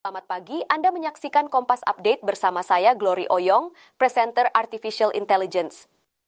selamat pagi anda menyaksikan kompas update bersama saya glory oyong presenter artificial intelligence